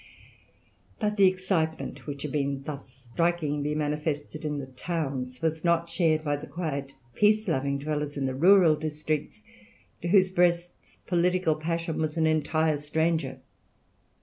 But the excitement which had been thus strikingly manifested in the towns was not shared by the quiet peace loving dwellers in the rural districts, to whose breasts political passion was an entire stranger.